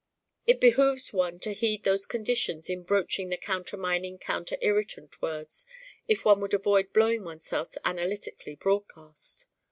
It behooves one to heed those conditions in broaching the countermining counter irritant words if one would avoid blowing oneself analytically broadcast.